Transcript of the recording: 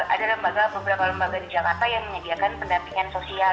ada beberapa lembaga di jakarta yang menyediakan pendampingan sosial